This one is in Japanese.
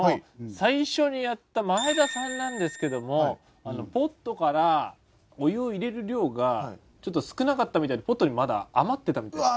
最初にやった前田さんなんですけどもポットからお湯を入れる量がちょっと少なかったみたいでポットにまだ余ってたみたいです。